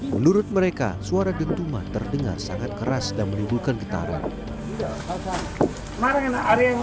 menurut mereka suara dentuman terdengar sangat keras dan menimbulkan getaran